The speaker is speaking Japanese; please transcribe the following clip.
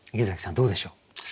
どうでしょう？